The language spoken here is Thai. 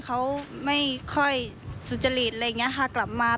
เขาไม่ค่อยสุจริตอะไรอย่างเงี้ถ้ากลับมา